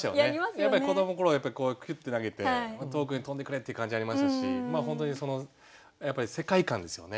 やっぱり子どもの頃こうヒュッて投げて遠くに飛んでくれって感じありましたし本当にやっぱり世界観ですよね。